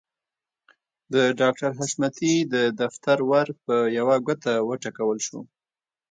د ډاکټر حشمتي د دفتر ور په يوه ګوته وټکول شو.